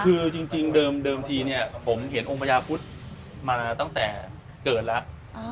คือจริงเดิมทีเนี่ยผมเห็นองค์พญาพุทธมาตั้งแต่เกิดแล้ว